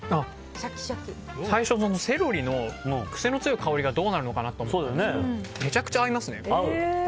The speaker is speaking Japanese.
最初、セロリの癖の強い香りがどうなのかなと思ったんですけどめちゃくちゃ合いますね。